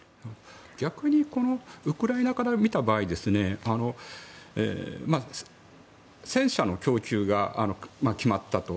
逆にウクライナ側から見ると戦車の供給が決まったと。